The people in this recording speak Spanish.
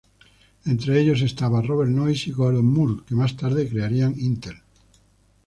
Entre ellos estaban Robert Noyce y Gordon Moore que más tarde crearían Intel.